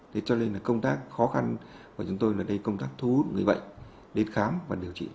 thế cho nên là công tác khó khăn của chúng tôi là đây công tác thu hút người bệnh đến khám và điều trị